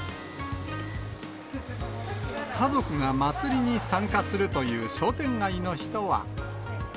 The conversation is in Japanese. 家族が祭りに参加するという商店街の人は。